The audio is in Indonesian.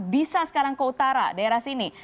bisa sekarang ke utara daerah sini